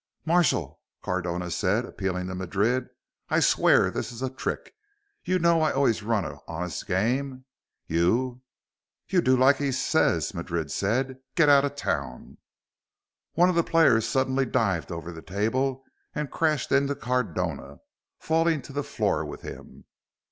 "Marshal," Cardona said, appealing to Madrid, "I swear this is a trick. You know I've always run an honest game. You " "You do like he says," Madrid said. "Get out of town." One of the players suddenly dived over the table and crashed into Cardona, falling to the floor with him.